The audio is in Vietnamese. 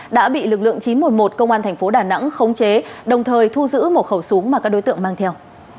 đã bị lực lượng chín trăm một mươi một công an thành phố đà nẵng khống chế đồng thời thu giữ một khẩu súng mà các đối tượng mang theo